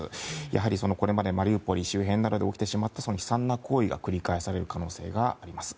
やはりこれまでマリウポリ周辺で起きてしまった悲惨な行為が繰り返される可能性があります。